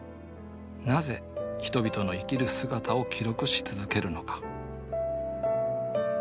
なぜ人々の生きる姿を記録し続けるのか？